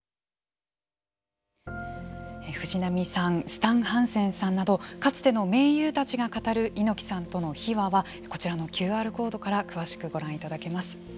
スタン・ハンセンさんなどかつての盟友たちが語る猪木さんとの秘話はこちらのＱＲコードから詳しくご覧いただけます。